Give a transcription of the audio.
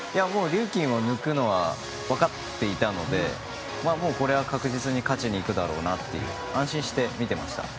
リューキンを抜くのはわかっていたのでこれは確実に勝ちにいくだろうなって安心して見ていました。